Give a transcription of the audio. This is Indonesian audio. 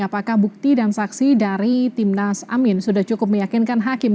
apakah bukti dan saksi dari timnas amin sudah cukup meyakinkan hakim